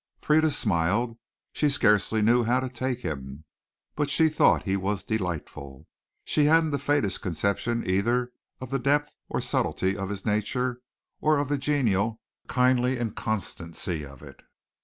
Frieda smiled. She scarcely knew how to take him, but she thought he was delightful. She hadn't the faintest conception either of the depth and subtlety of his nature or of the genial, kindly inconstancy of it.